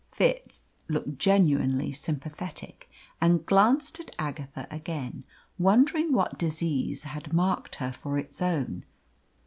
Fitz looked genuinely sympathetic, and glanced at Agatha again, wondering what disease had marked her for its own.